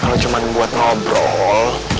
kalau cuma buat ngobrol